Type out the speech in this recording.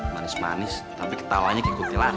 manis manis tapi ketawanya kayak kubilaran